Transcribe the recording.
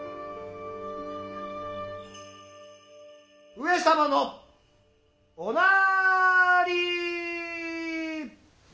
・上様のおなーりー。